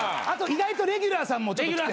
あと意外とレギュラーさんもちょっと。